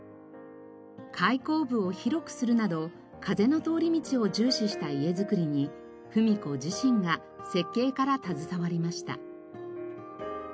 開口部を広くするなど風の通り道を重視した家造りに芙美子自身が設計から携わりました。